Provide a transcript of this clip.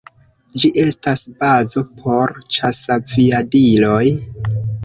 Ĝi estas bazo por ĉasaviadiloj.